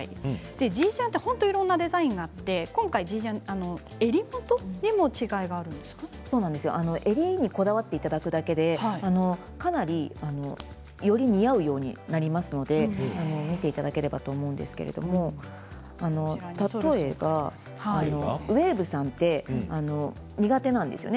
Ｇジャンっていろんなデザインがあって今回、Ｇジャン襟にこだわっていただくだけでかなり、より似合うようになりますので見ていただければと思うんですけど例えば、ウエーブさんって苦手なんですよね。